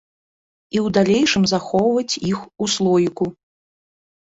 І ў далейшым захоўваць іх у слоіку.